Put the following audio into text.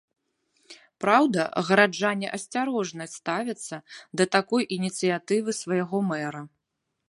Праўда, гараджане асцярожна ставяцца да такой ініцыятывы свайго мэра.